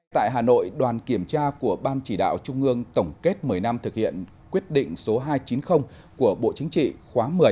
tại hà nội đoàn kiểm tra của ban chỉ đạo trung ương tổng kết một mươi năm thực hiện quyết định số hai trăm chín mươi của bộ chính trị khóa một mươi